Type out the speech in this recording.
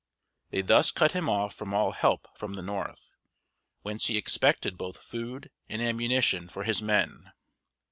They thus cut him off from all help from the north, whence he expected both food and ammunition for his men.